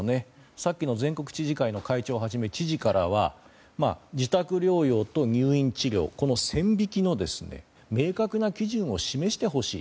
さっきの全国知事会の会長はじめ知事からは、自宅療養と入院治療この線引きの明確な基準を示してほしい。